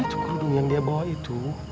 ini tuh kerudung yang dia bawa itu